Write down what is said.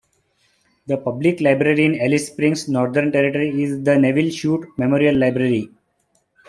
The public library in Alice Springs, Northern Territory is the Nevil Shute Memorial Library.